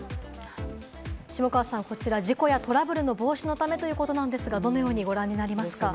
下川さん、こちら事故やトラブルの防止のためということなんですが、どのようにご覧になりますか？